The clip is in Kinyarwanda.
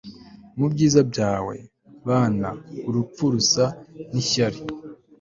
mubyiza byawe, bana, urupfu rusa nishyari